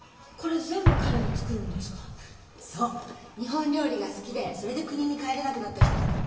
日本料理が好きでそれで国に帰れなくなった人だから。